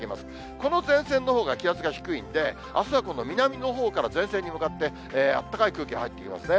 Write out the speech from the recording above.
この前線のほうが気圧が低いんで、あすはこの南のほうから前線に向かって、あったかい空気が入ってきますね。